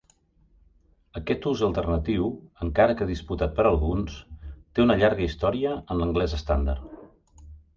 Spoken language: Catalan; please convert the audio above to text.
Aquest ús alternatiu, encara que disputat per alguns, té una llarga història en l'anglès estàndard.